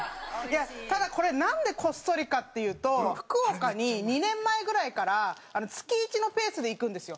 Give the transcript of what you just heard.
ただこれなんでこっそりかっていうと福岡に２年前ぐらいから月１のペースで行くんですよ。